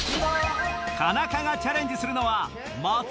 田中がチャレンジするのは